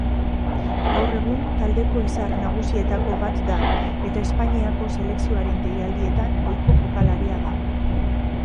Gaur egun taldeko izar nagusietako bat da, eta Espainiako selekzioaren deialdietan ohiko jokalaria da.